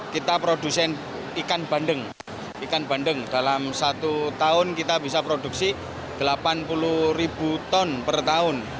kita produsen ikan bandeng ikan bandeng dalam satu tahun kita bisa produksi delapan puluh ribu ton per tahun